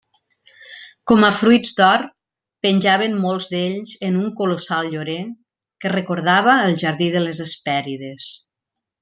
Com a fruits d'or, penjaven molts d'ells en un colossal llorer, que recordava el Jardí de les Hespèrides.